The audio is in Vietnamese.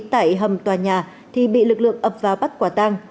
tại hầm tòa nhà thì bị lực lượng ập vào bắt quả tang